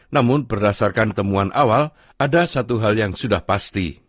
dan mengasarkan temuan awal ada satu hal yang sudah pasti